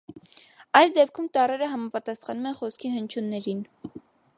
Այս դեպքում տառերը համապատասխանում են խոսքի հնչյուններին։